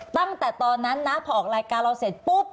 ตั้งแต่ตอนนั้นนะพอออกรายการเราเสร็จปุ๊บ